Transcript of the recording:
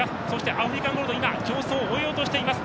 アフリカンゴールド競走を終えようとしています。